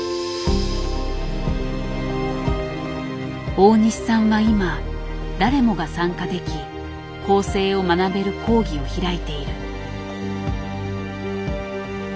大西さんは今誰もが参加でき校正を学べる講義を開いている。